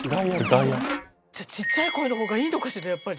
ちっちゃい声の方がいいのかしらやっぱり。